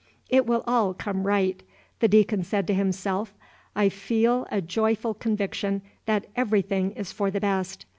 "It will all come right," the Deacon said to himself, "I feel a joyful conviction that everything is for the best.